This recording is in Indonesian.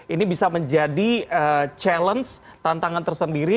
ini bisa menjadi challenge tantangan tersendiri